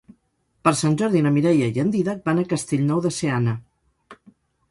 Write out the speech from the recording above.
Per Sant Jordi na Mireia i en Dídac van a Castellnou de Seana.